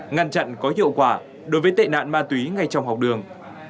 ngăn chặn có hiệu quả đối với tệ nạn ma túy ngay trong học đường